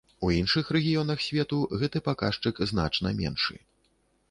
У іншых рэгіёнах свету гэты паказчык значна меншы.